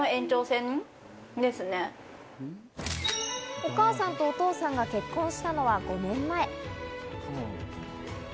お母さんとお父さんが結婚したのは５年前。